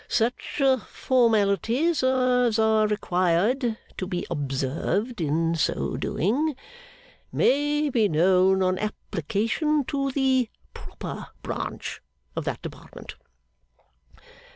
Such formalities as are required to be observed in so doing, may be known on application to the proper branch of that Department.